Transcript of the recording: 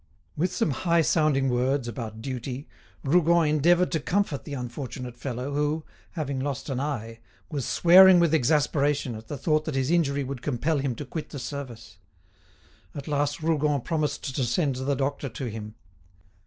With some high sounding words about duty, Rougon endeavoured to comfort the unfortunate fellow who, having lost an eye, was swearing with exasperation at the thought that his injury would compel him to quit the service. At last Rougon promised to send the doctor to him.